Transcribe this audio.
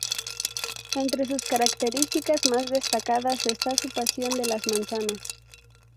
Entre sus características más destacadas está su pasión de las manzanas.